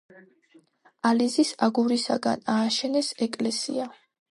ალიზის აგურისაგან ააშენეს ეკლესია.